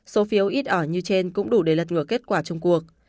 số phiếu ít ỏi như trên cũng đủ để lật ngừa kết quả trong cuộc